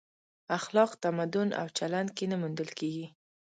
اخلاق تمدن او چلن کې نه موندل کېږي.